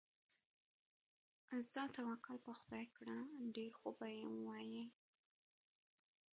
ځه توکل په خدای کړه، ډېر خوبه یې ووایې.